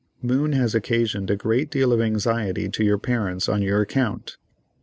Moon has occasioned a great deal of anxiety to your parents on your account.